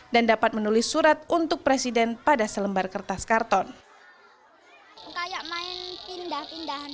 dan dapat menulis surat untuk presiden pada selembar kertas karton kayak main pindah pindahan